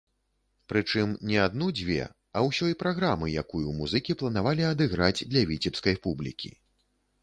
Прычым, не адну-дзве, а ўсёй праграмы, якую музыкі планавалі адыграць для віцебскай публікі.